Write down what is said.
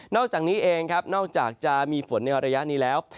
อกจากนี้เองครับนอกจากจะมีฝนในระยะนี้แล้ว